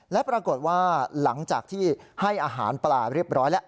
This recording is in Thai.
และปรากฏว่าหลังจากที่ให้อาหารปลาเรียบร้อยแล้ว